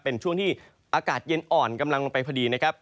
เป็นช่วงที่อากาศเย็นอ่อนกำลังลงไปพอดีนะครับ